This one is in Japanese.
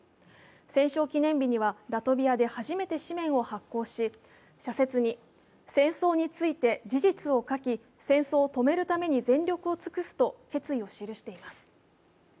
戦勝記念日にはラトビアで初めて紙面を発行し社説に、戦争について事実を書き、戦争を止めるために全力を尽くすと決意を記しています。